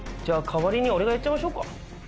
じゃあ代わりに俺がやっちゃいましょうか？